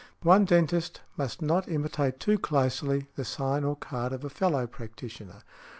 One dentist must not imitate too closely the sign or card of a fellow practitioner.